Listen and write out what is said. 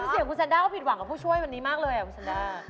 เสียงคุณแซนด้าก็ผิดหวังกับผู้ช่วยวันนี้มากเลยคุณซันด้า